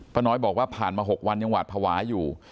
น้อยบอกว่าผ่านมา๖วันยังหวาดภาวะอยู่